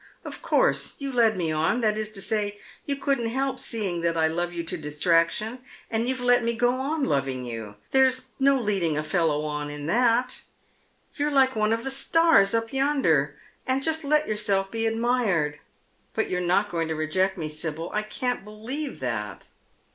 Of course, you led me on — that is to say, you couldn't help seeing that I love you to distraction, and you've let me go on loving you. There's JO leading a fellow on in that. You're like one of the stars up yonder, and just let yourself be admired. But you're not going to reject me, Sibyl, I can't believe that."